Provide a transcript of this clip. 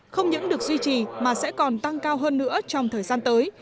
không những được duy trì mà sẽ còn tăng cao hơn nữa trong thời gian tới